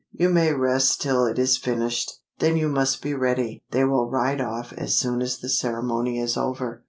"You may rest till it is finished. Then you must be ready: they will ride off as soon as the ceremony is over."